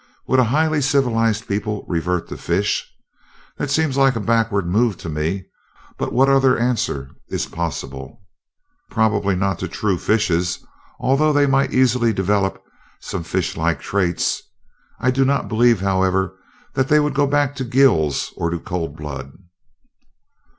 Would a highly civilized people revert to fish? That seems like a backward move to me, but what other answer is possible?" "Probably not to true fishes although they might easily develop some fish like traits. I do not believe, however, that they would go back to gills or to cold blood."